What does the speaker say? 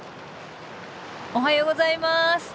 おはようございます。